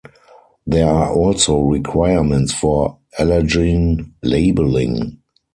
There are also requirements for allergen labeling.